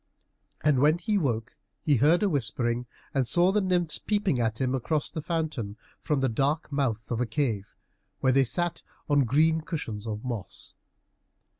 And when he woke he heard a whispering, and saw the nymphs peeping at him across the fountain from the dark mouth of a cave, where they sat on green cushions of moss.